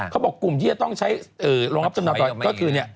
เค้าบอกกลุ่มที่จะต้องใช้รองรับจำนานต่อไปก็คือเนี่ย